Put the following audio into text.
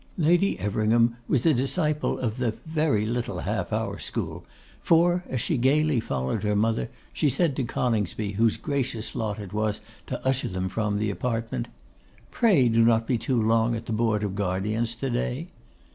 Lady Everingham was a disciple of the 'very little half hour' school; for, as she gaily followed her mother, she said to Coningsby, whose gracious lot it was to usher them from the apartment: 'Pray do not be too long at the Board of Guardians to day.